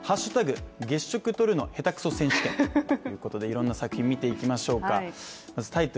月食撮るの下手くそ選手権」ということでいろんな作品を見ていきましょうか。